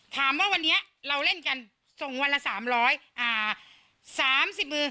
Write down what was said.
ถามว่าวันนี้เราเล่นกันส่งวันละสามร้อยอ่าสามสิบมือ